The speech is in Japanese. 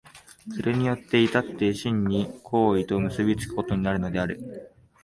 それによって却って真に行為と結び付くことになるのである。